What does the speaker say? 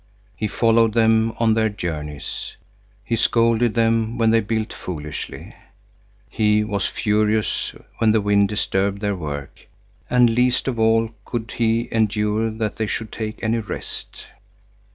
He followed them on their journeys; he scolded them when they built foolishly; he was furious when the wind disturbed their work; and least of all could he endure that they should take any rest.